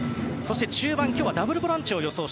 中盤、今日はダブルボランチを予想。